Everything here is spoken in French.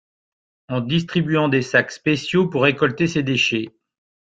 En distribuant des sacs spéciaux pour récolter ces déchets.